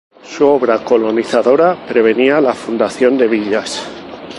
Su obra colonizadora prevenía la fundación de villas.